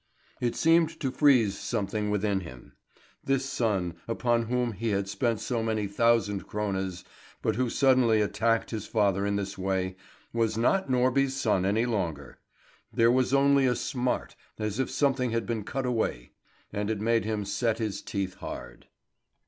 It seemed to freeze something within him. This son, upon whom he had spent so many thousand krones, but who suddenly attacked his father in this way, was not Norby's son any longer. There was only a smart, as if something had been cut away, and it made him set his teeth hard.